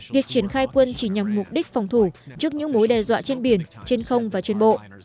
việc triển khai quân chỉ nhằm mục đích phòng thủ trước những mối đe dọa trên biển trên không và trên bộ